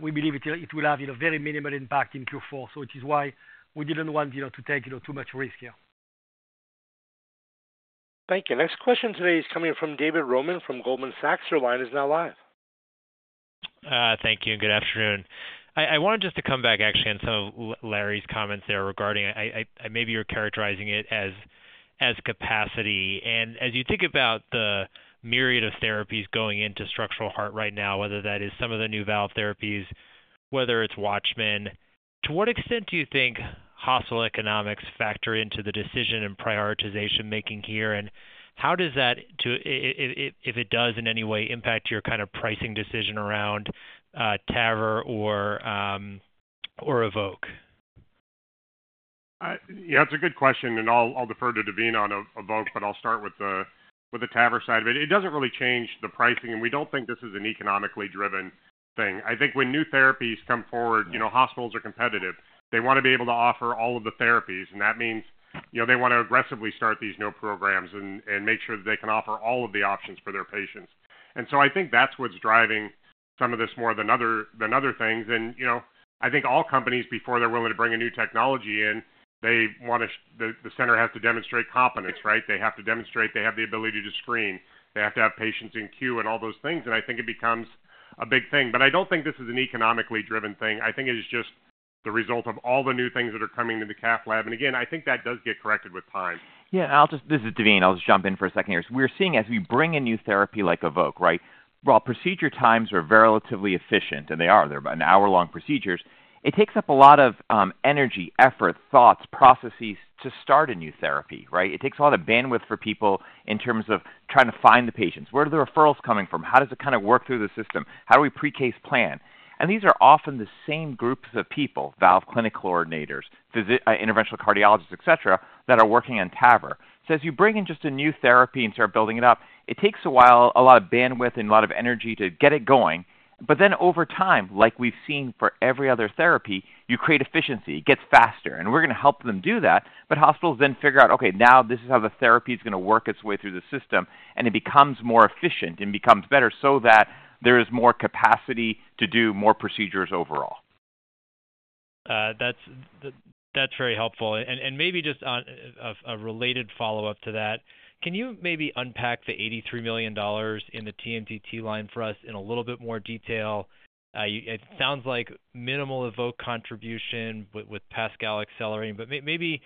we believe it will have, you know, very minimal impact in Q4. So which is why we didn't want, you know, to take, you know, too much risk here. Thank you. Next question today is coming from David Roman from Goldman Sachs. Your line is now live. Thank you, and good afternoon. I wanted just to come back actually on some of Larry's comments there regarding... Maybe you're characterizing it as capacity. And as you think about the myriad of therapies going into structural heart right now, whether that is some of the new valve therapies, whether it's WATCHMAN, to what extent do you think hospital economics factor into the decision and prioritization making here? And how does that... If it does in any way impact your kind of pricing decision around TAVR or EVOQUE? Yeah, it's a good question, and I'll defer to Daveen on EVOQUE, but I'll start with the TAVR side of it. It doesn't really change the pricing, and we don't think this is an economically driven thing. I think when new therapies come forward, you know, hospitals are competitive. They want to be able to offer all of the therapies, and that means, you know, they want to aggressively start these new programs and make sure that they can offer all of the options for their patients. And so I think that's what's driving some of this more than other things. And, you know, I think all companies, before they're willing to bring a new technology in, they want the center to demonstrate competence, right? They have to demonstrate they have the ability to screen, they have to have patients in queue and all those things. I think it becomes a big thing. But I don't think this is an economically driven thing. I think it is just the result of all the new things that are coming to the cath lab. Again, I think that does get corrected with time. Yeah, and I'll just, this is Daveen. I'll just jump in for a second here. So we're seeing as we bring a new therapy like EVOQUE, right? While procedure times are relatively efficient, and they are, they're about an hour-long procedures, it takes up a lot of energy, effort, thoughts, processes to start a new therapy, right? It takes a lot of bandwidth for people in terms of trying to find the patients. Where are the referrals coming from? How does it kind of work through the system? How do we pre-case plan? And these are often the same groups of people, valve clinic coordinators, visiting interventional cardiologists, et cetera, that are working on TAVR. So as you bring in just a new therapy and start building it up, it takes a while, a lot of bandwidth and a lot of energy to get it going. But then over time, like we've seen for every other therapy, you create efficiency. It gets faster, and we're going to help them do that. But hospitals then figure out, okay, now this is how the therapy is going to work its way through the system, and it becomes more efficient and becomes better so that there is more capacity to do more procedures overall. That's very helpful. And, and maybe just on a, a related follow-up to that, can you maybe unpack the $83 million in the TMTT line for us in a little bit more detail? It sounds like minimal EVOQUE contribution with, with PASCAL accelerating, but maybe,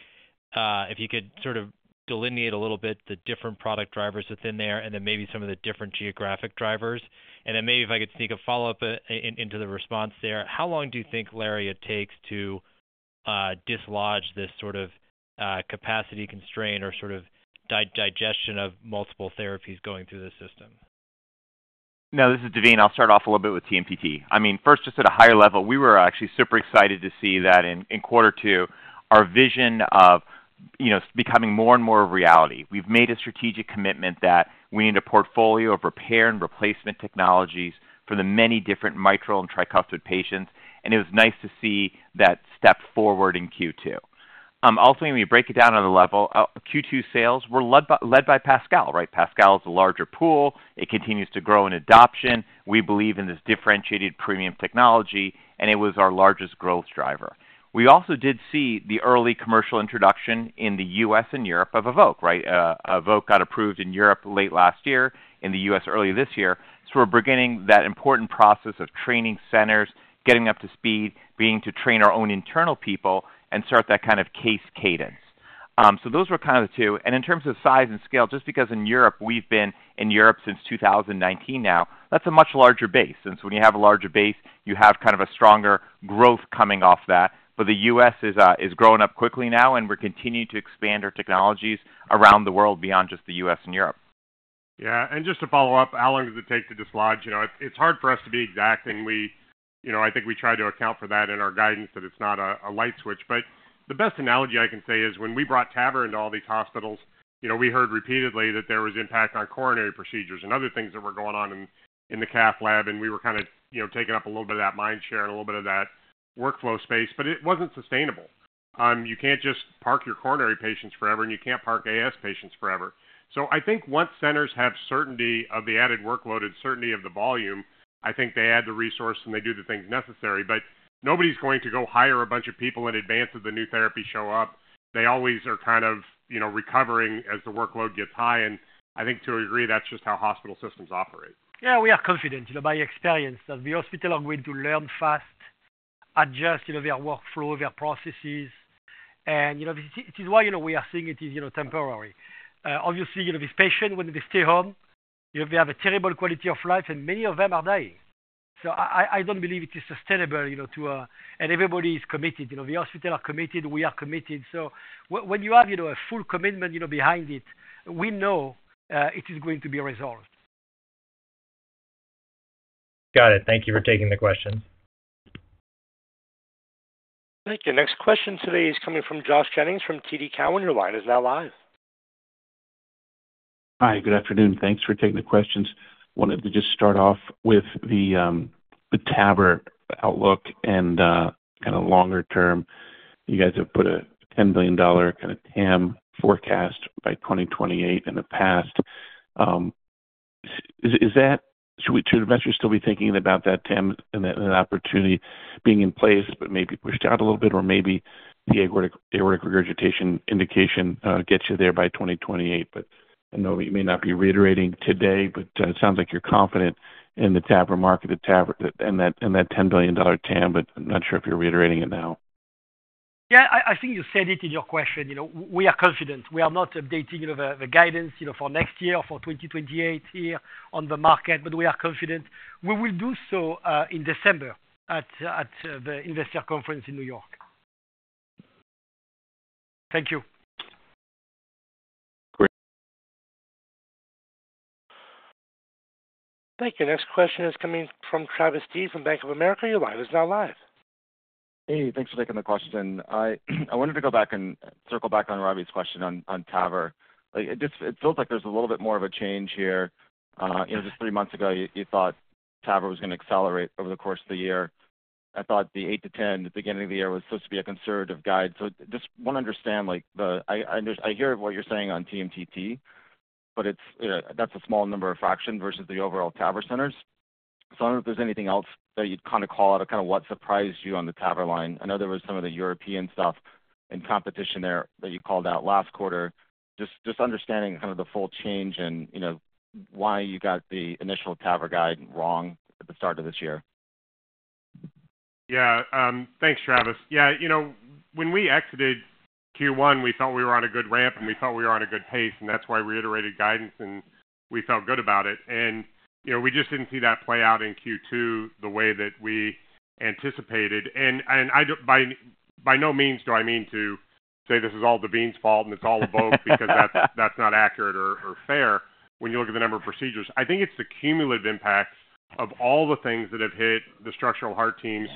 if you could sort of delineate a little bit the different product drivers within there, and then maybe some of the different geographic drivers. And then maybe if I could sneak a follow-up, in, into the response there, how long do you think, Larry, it takes to, dislodge this sort of, capacity constraint or sort of digestion of multiple therapies going through the system? No, this is Daveen. I'll start off a little bit with TMTT. I mean, first, just at a higher level, we were actually super excited to see that in quarter two, our vision of, you know, becoming more and more a reality. We've made a strategic commitment that we need a portfolio of repair and replacement technologies for the many different mitral and tricuspid patients, and it was nice to see that step forward in Q2. Also, when you break it down on the level, Q2 sales were led by PASCAL, right? PASCAL is a larger pool. It continues to grow in adoption. We believe in this differentiated premium technology, and it was our largest growth driver. We also did see the early commercial introduction in the US and Europe of EVOQUE, right? EVOQUE got approved in Europe late last year, in the U.S. earlier this year. So we're beginning that important process of training centers, getting up to speed, beginning to train our own internal people, and start that kind of case cadence. So those were kind of the two. In terms of size and scale, just because in Europe, we've been in Europe since 2019 now, that's a much larger base. And so when you have a larger base, you have kind of a stronger growth coming off that. But the U.S. is growing up quickly now, and we're continuing to expand our technologies around the world beyond just the U.S. and Europe. Yeah, and just to follow up, how long does it take to dislodge? You know, it's hard for us to be exact, and we. You know, I think we try to account for that in our guidance, that it's not a light switch. But the best analogy I can say is when we brought TAVR into all these hospitals, you know, we heard repeatedly that there was impact on coronary procedures and other things that were going on in the cath lab, and we were kind of, you know, taking up a little bit of that mind share and a little bit of that workflow space, but it wasn't sustainable. You can't just park your coronary patients forever, and you can't park AS patients forever. I think once centers have certainty of the added workload and certainty of the volume, I think they add the resource, and they do the things necessary. But nobody's going to go hire a bunch of people in advance of the new therapy show up. They always are kind of, you know, recovering as the workload gets high, and I think to a degree, that's just how hospital systems operate. Yeah, we are confident, you know, by experience, that the hospital are going to learn fast, adjust, you know, their workflow, their processes, and, you know, this is why, you know, we are seeing it is, you know, temporary. Obviously, you know, these patients, when they stay home, you know, they have a terrible quality of life, and many of them are dying. So I don't believe it is sustainable, you know, to... And everybody is committed. You know, the hospital are committed, we are committed. So when you have, you know, a full commitment, you know, behind it, we know, it is going to be resolved. Got it. Thank you for taking the question. Thank you. Next question today is coming from Josh Jennings from TD Cowen. Your line is now live. Hi, good afternoon. Thanks for taking the questions. Wanted to just start off with the TAVR outlook and kind of longer term. You guys have put a $10 billion kind of TAM forecast by 2028 in the past. Is that, should we, should investors still be thinking about that TAM and that opportunity being in place but maybe pushed out a little bit, or maybe the aortic, aortic regurgitation indication gets you there by 2028? But I know you may not be reiterating today, but it sounds like you're confident in the TAVR market, the TAVR, and that, and that $10 billion TAM, but I'm not sure if you're reiterating it now. Yeah, I think you said it in your question. You know, we are confident. We are not updating, you know, the guidance, you know, for next year, for 2028 year on the market, but we are confident. We will do so in December at the investor conference in New York. Thank you. Great. Thank you. Next question is coming from Travis Steed, from Bank of America. Your line is now live. Hey, thanks for taking the question. I wanted to go back and circle back on Robbie's question on, on TAVR. Like, it just, it feels like there's a little bit more of a change here. You know, just three months ago, you, you thought TAVR was going to accelerate over the course of the year. I thought the 8-10, the beginning of the year, was supposed to be a conservative guide. So just want to understand, like, I hear what you're saying on TMTT, but it's, you know, that's a small number of fraction versus the overall TAVR centers. So I don't know if there's anything else that you'd kind of call out or kind of what surprised you on the TAVR line. I know there was some of the European stuff and competition there that you called out last quarter. Just understanding kind of the full change and, you know, why you got the initial TAVR guide wrong at the start of this year. Yeah. Thanks, Travis. Yeah, you know, when we exited Q1, we thought we were on a good ramp, and we thought we were on a good pace, and that's why we reiterated guidance, and we felt good about it. And, you know, we just didn't see that play out in Q2 the way that we anticipated. And, I don't... By no means do I mean to say this is all Daveen's fault, and it's all EVOQUE - because that's, that's not accurate or, or fair when you look at the number of procedures. I think it's the cumulative impact of all the things that have hit the structural heart teams.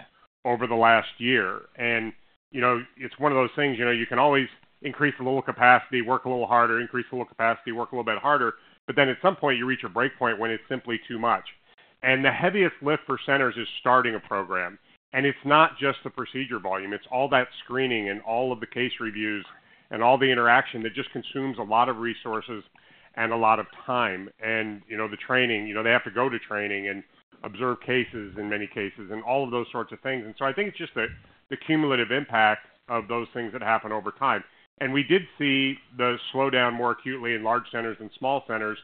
Over the last year. And, you know, it's one of those things, you know, you can always increase a little capacity, work a little harder, increase a little capacity, work a little bit harder, but then at some point, you reach a breakpoint when it's simply too much. And the heaviest lift for centers is starting a program. And it's not just the procedure volume, it's all that screening and all of the case reviews and all the interaction that just consumes a lot of resources and a lot of time. And, you know, the training, you know, they have to go to training, and observe cases in many cases and all of those sorts of things. And so I think it's just the, the cumulative impact of those things that happen over time. We did see the slowdown more acutely in large centers than small centers,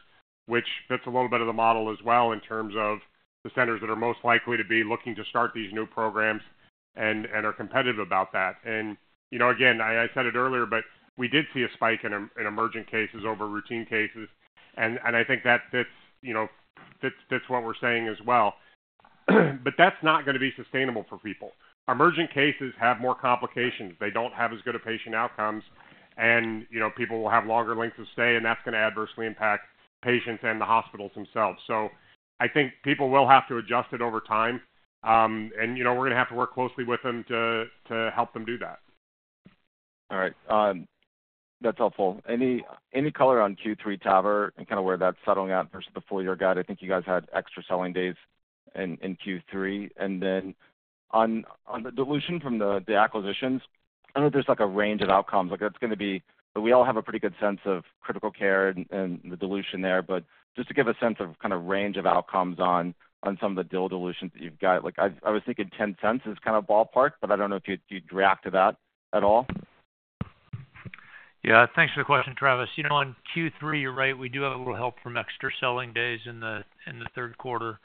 which fits a little bit of the model as well in terms of the centers that are most likely to be looking to start these new programs and, and are competitive about that. And, you know, again, I, I said it earlier, but we did see a spike in, in emergent cases over routine cases, and, and I think that fits, you know, fits, fits what we're saying as well. But that's not gonna be sustainable for people. Emergent cases have more complications. They don't have as good a patient outcomes, and, you know, people will have longer lengths of stay, and that's gonna adversely impact patients and the hospitals themselves. I think people will have to adjust it over time, and you know, we're gonna have to work closely with them to help them do that. All right. That's helpful. Any color on Q3 TAVR and kind of where that's settling out versus the full year guide? I think you guys had extra selling days in Q3. And then on the dilution from the acquisitions, I know there's, like, a range of outcomes. Like, that's gonna be. But we all have a pretty good sense of Critical Care and the dilution there, but just to give a sense of kind of range of outcomes on some of the deal dilutions that you've got. Like, I was thinking $0.10 is kind of ballpark, but I don't know if you'd react to that at all? Yeah, thanks for the question, Travis. You know, on Q3, you're right, we do have a little help from extra selling days in the third quarter.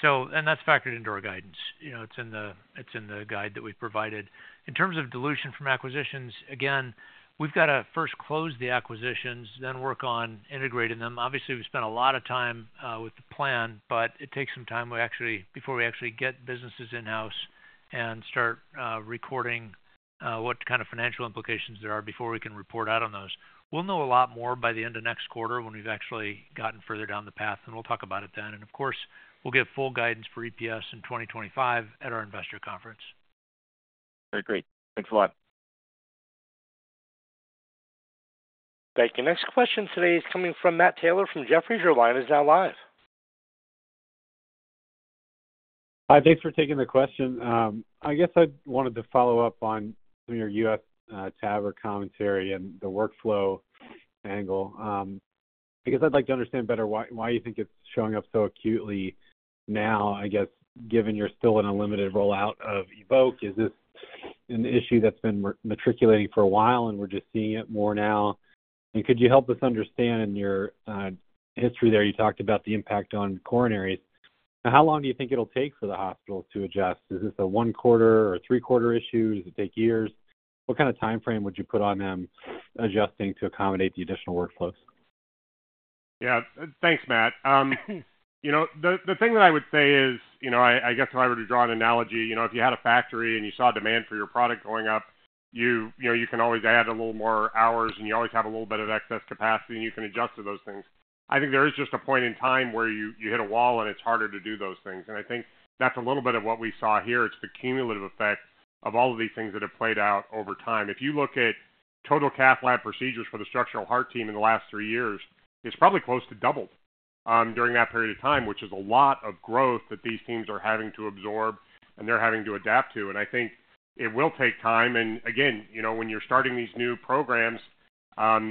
So, and that's factored into our guidance. You know, it's in the guide that we've provided. In terms of dilution from acquisitions, again, we've got to first close the acquisitions, then work on integrating them. Obviously, we've spent a lot of time with the plan, but it takes some time to actually, before we actually get businesses in-house and start recording what kind of financial implications there are before we can report out on those. We'll know a lot more by the end of next quarter when we've actually gotten further down the path, and we'll talk about it then. Of course, we'll give full guidance for EPS in 2025 at our investor conference. Very great. Thanks a lot. Thank you. Next question today is coming from Matt Taylor, from Jefferies. Your line is now live. Hi, thanks for taking the question. I guess I wanted to follow up on your U.S., TAVR commentary and the workflow angle. I guess I'd like to understand better why, why you think it's showing up so acutely now, I guess, given you're still in a limited rollout of EVOQUE. Is this an issue that's been marinating for a while, and we're just seeing it more now? And could you help us understand your history there? You talked about the impact on coronaries. Now, how long do you think it'll take for the hospital to adjust? Is this a one-quarter or three-quarter issue? Does it take years? What kind of time frame would you put on them adjusting to accommodate the additional workflows? Yeah. Thanks, Matt. You know, the thing that I would say is, you know, I guess if I were to draw an analogy, you know, if you had a factory and you saw demand for your product going up, you know, you can always add a little more hours, and you always have a little bit of excess capacity, and you can adjust to those things. I think there is just a point in time where you hit a wall, and it's harder to do those things. And I think that's a little bit of what we saw here. It's the cumulative effect of all of these things that have played out over time. If you look at total cath lab procedures for the structural heart team in the last three years, it's probably close to doubled during that period of time, which is a lot of growth that these teams are having to absorb and they're having to adapt to. And I think it will take time, and again, you know, when you're starting these new programs,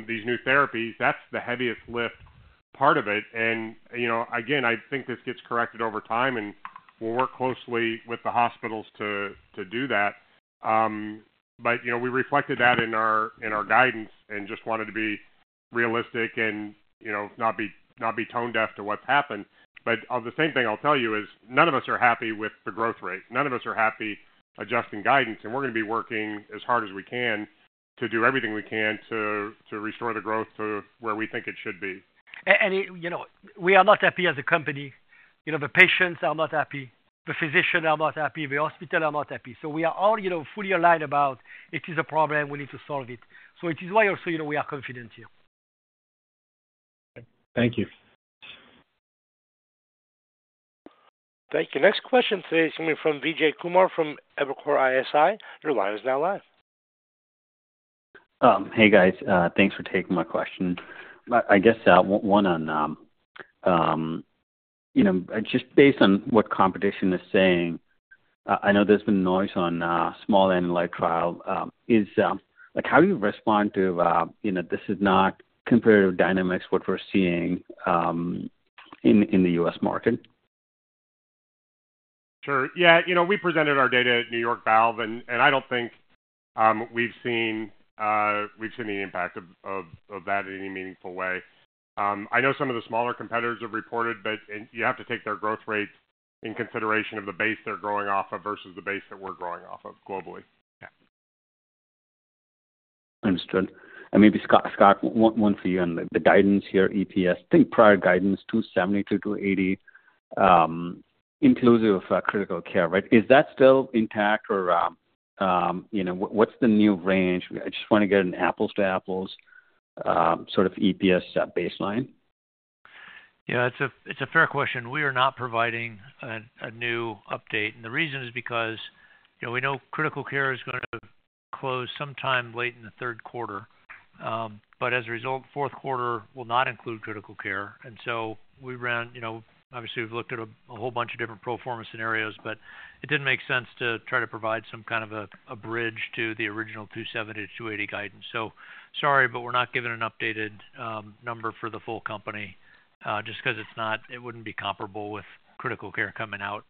these new therapies, that's the heaviest lift part of it. And, you know, again, I think this gets corrected over time, and we'll work closely with the hospitals to do that. But, you know, we reflected that in our guidance and just wanted to be realistic and, you know, not be tone-deaf to what's happened. But, the same thing I'll tell you is none of us are happy with the growth rate. None of us are happy adjusting guidance, and we're gonna be working as hard as we can to do everything we can to restore the growth to where we think it should be. You know, we are not happy as a company. You know, the patients are not happy, the physicians are not happy, the hospitals are not happy. So we are all, you know, fully aligned about it is a problem, we need to solve it. So it is why also, you know, we are confident here. Thank you. Thank you. Next question today is coming from Vijay Kumar, from Evercore ISI. Your line is now live. Hey, guys. Thanks for taking my question. I guess one on, you know, just based on what competition is saying, I know there's been noise on SMART trial. Is like, how do you respond to, you know, this is not comparative dynamics, what we're seeing in the US market? Sure. Yeah, you know, we presented our data at New York Valves, and I don't think we've seen the impact of that in any meaningful way. I know some of the smaller competitors have reported, but and you have to take their growth rates in consideration of the base they're growing off of versus the base that we're growing off of globally. Yeah. Understood. Maybe, Scott, one for you on the guidance here, EPS. I think prior guidance, $2.70-$2.80, inclusive of Critical Care, right? Is that still intact or, you know, what, what's the new range? I just want to get an apples to apples sort of EPS baseline. Yeah, it's a fair question. We are not providing a new update, and the reason is because, you know, we know Critical Care is going to close sometime late in the third quarter. But as a result, fourth quarter will not include Critical Care, and so we ran you know, obviously, we've looked at a whole bunch of different pro forma scenarios, but it didn't make sense to try to provide some kind of a bridge to the original $270-$280 guidance. So sorry, but we're not giving an updated number for the full company, just because it's not. It wouldn't be comparable with Critical Care coming out,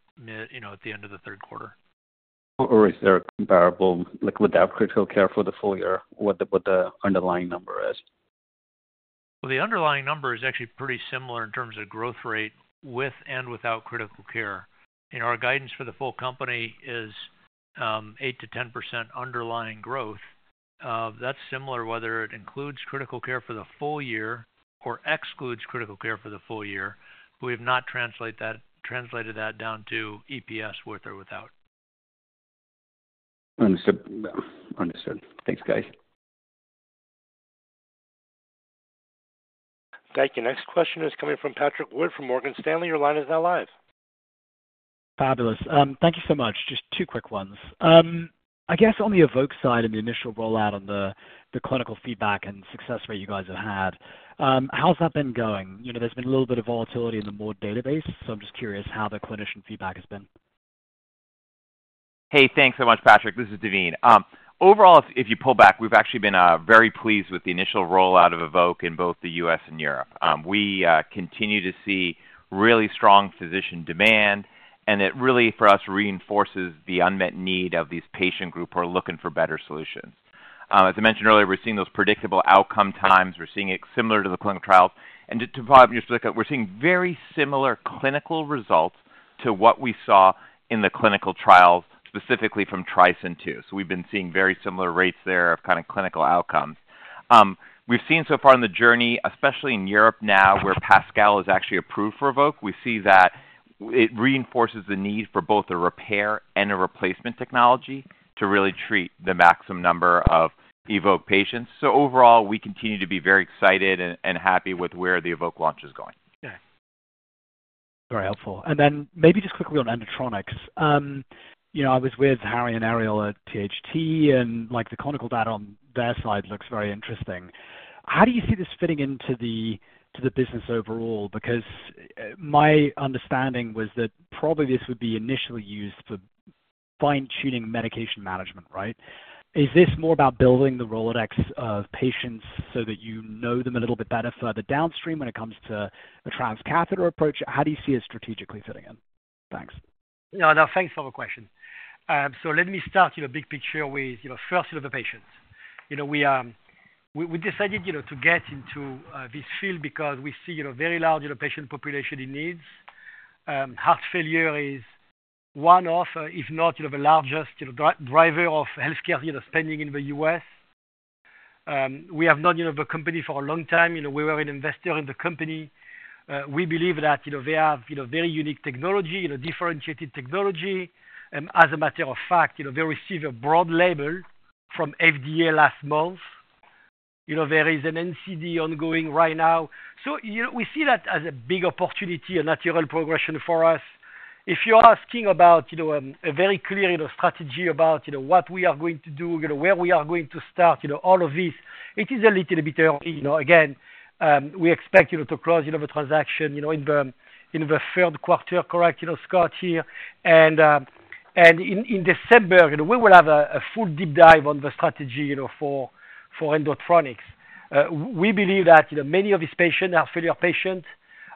you know, at the end of the third quarter. Or is there a comparable, like without Critical Care for the full year, what the underlying number is? Well, the underlying number is actually pretty similar in terms of growth rate with and without Critical Care. Our guidance for the full company is 8%-10% underlying growth. That's similar, whether it includes Critical Care for the full year or excludes Critical Care for the full year. We have not translated that down to EPS, with or without. Understood. Understood. Thanks, guys. Thank you. Next question is coming from Patrick Wood, from Morgan Stanley. Your line is now live. Fabulous. Thank you so much. Just two quick ones. I guess on the EVOQUE side, and the initial rollout on the clinical feedback and success rate you guys have had, how's that been going? You know, there's been a little bit of volatility in the Vizient database, so I'm just curious how the clinician feedback has been. Hey, thanks so much, Patrick. This is Daveen. Overall, if you pull back, we've actually been very pleased with the initial rollout of EVOQUE in both the US and Europe. We continue to see really strong physician demand, and it really, for us, reinforces the unmet need of these patient group who are looking for better solutions. As I mentioned earlier, we're seeing those predictable outcome times. We're seeing it similar to the clinical trials. And to Pat, just look at, we're seeing very similar clinical results to what we saw in the clinical trials, specifically from TRISCEND II. So we've been seeing very similar rates there of kind of clinical outcomes. We've seen so far in the journey, especially in Europe now, where PASCAL is actually approved before EVOQUE, we see that it reinforces the need for both a repair and a replacement technology to really treat the maximum number of EVOQUE patients. So overall, we continue to be very excited and happy with where the EVOQUE launch is going. Yeah. Very helpful. Then maybe just quickly on Endotronix. You know, I was with Harry and Ariel at THT, and like, the clinical data on their side looks very interesting. How do you see this fitting into the, to the business overall? Because, my understanding was that probably this would be initially used for fine-tuning medication management, right? Is this more about building the Rolodex of patients so that you know them a little bit better further downstream when it comes to a transcatheter approach? How do you see it strategically fitting in? Thanks. Yeah, no, thanks for the question. So let me start, you know, big picture with, you know, first with the patients. You know, we, we decided, you know, to get into this field because we see, you know, very large patient population in needs. Heart failure is one of, if not, you know, the largest, you know, driver of healthcare, you know, spending in the US. We have known, you know, the company for a long time. You know, we were an investor in the company. We believe that, you know, they have, you know, very unique technology, you know, differentiated technology. As a matter of fact, you know, they received a broad label from FDA last month. You know, there is an NCD ongoing right now. So, you know, we see that as a big opportunity, a natural progression for us. If you're asking about, you know, a very clear, you know, strategy about, you know, what we are going to do, you know, where we are going to start, you know, all of this, it is a little bit early, you know. Again, we expect, you know, to close, you know, the transaction, you know, in the third quarter, correct, you know, Scott here. And, and in December, you know, we will have a full deep dive on the strategy, you know, for Endotronix. We believe that, you know, many of these patients are heart failure patients,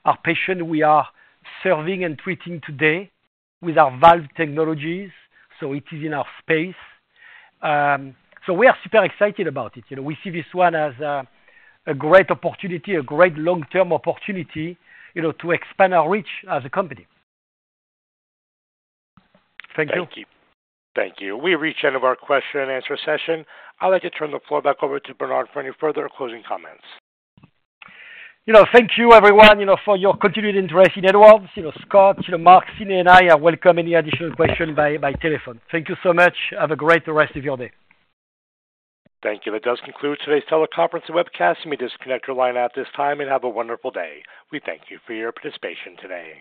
are patients we are serving and treating today with our valve technologies, so it is in our space. So we are super excited about it. You know, we see this one as a great opportunity, a great long-term opportunity, you know, to expand our reach as a company. Thank you. Thank you. We reached the end of our question and answer session. I'd like to turn the floor back over to Bernard for any further closing comments. You know, thank you everyone, you know, for your continued interest in Edwards. You know, Scott, you know, Mark, Larry, and I welcome any additional questions by telephone. Thank you so much. Have a great the rest of your day. Thank you. That does conclude today's teleconference and webcast. You may disconnect your line at this time and have a wonderful day. We thank you for your participation today.